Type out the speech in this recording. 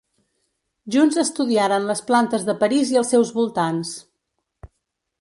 Junts estudiaren les plantes de París i els seus voltants.